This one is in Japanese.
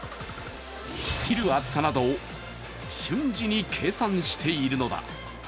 切る厚さなどを瞬時に計算しているのだ。